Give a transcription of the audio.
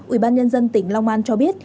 ủy ban nhân dân tỉnh long an cho biết